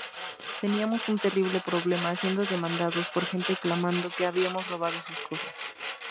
Teníamos un terrible problema siendo demandados por gente clamando que habíamos robado sus cosas.